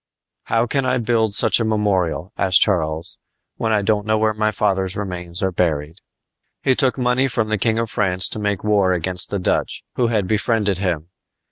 "How can I build such a memorial," asked Charles, "when I don't know where my father's remains are buried!" He took money from the King of France to make war against the Dutch, who had befriended him.